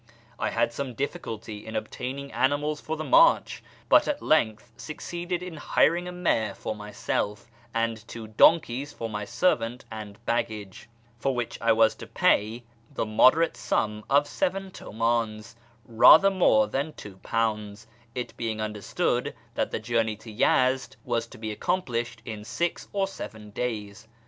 I had some diiftculty in obtaining animals for the march, but at length succeeded in hiring a mare for myself, and two donkeys for my servant and baggage, for which I was to pay the moderate sum of seven tumdns (rather more than £2), it being understood that the journey to Yezd was to be accomplished in six or seven days.